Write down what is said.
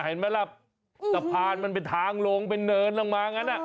เห็นไหมล่ะสะพานมันเป็นทางลงเป็นเนินลงมางั้น